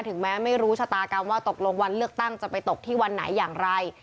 ถึงแม้ไม่รู้ชะตากรรมว่าตกลงวันเลือกตั้งจะไปตกที่วันไหนอย่างไร